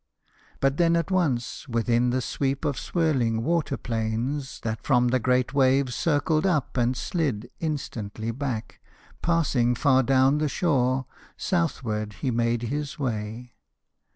But then at once Within the sweep of swirling water planes That from the great waves circled up and slid Instantly back, passing far down the shore, Southward he made his way.